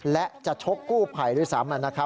และจะชกกู้ภัยด้วยซ้ำ